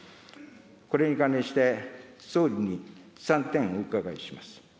これに関連して、総理に３点お伺いします。